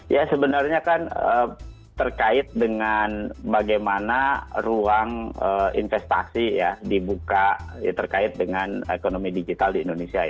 ya sebenarnya kan terkait dengan bagaimana ruang investasi ya dibuka terkait dengan ekonomi digital di indonesia